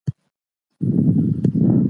ادرک د ستوني درد لپاره ښه دی.